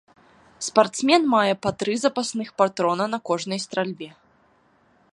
Спартсмен мае па тры запасных патрона на кожнай стральбе.